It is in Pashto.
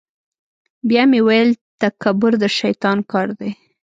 بیا مې ویل تکبر د شیطان کار دی.